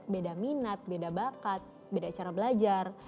beda minat beda bakat beda cara belajar